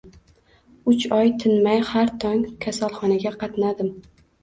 Uch oy tinmay har tong kasalxonaga qatnadim.